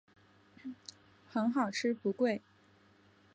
很好吃不贵